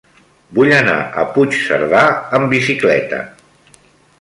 Vull anar a Puigcerdà amb bicicleta.